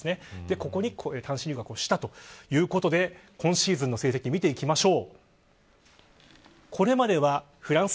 ここへ単身留学したということで今シーズンの成績を見ていきましょう。